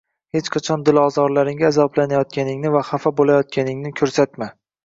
Hech qachon dilozorlaringga azoblanayotganingni va xafa bo‘layotganingni ko‘rsatma